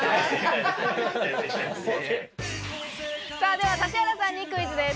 では指原さんにクイズです。